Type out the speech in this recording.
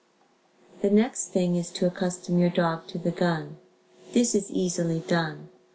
The next thing is to accustom your dog to the gun. This is easily done.